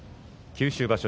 九州場所